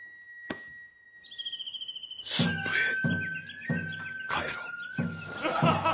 駿府へ帰ろう。